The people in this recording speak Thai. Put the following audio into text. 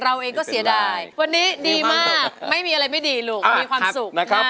เราเองก็เสียดายวันนี้ดีมากไม่มีอะไรไม่ดีลูกมีความสุขนะคะ